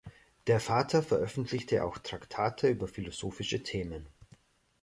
Der Vater veröffentlichte auch Traktate über philosophische Themen.